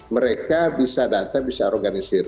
mereka bisa data bisa organisir